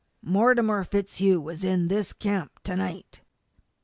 Mortimer FitzHugh was in this camp to night!"